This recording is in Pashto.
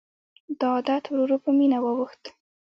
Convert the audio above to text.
دا عادت ورو ورو په مینه واوښت.